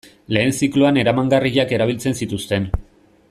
Lehen zikloan eramangarriak erabiltzen zituzten.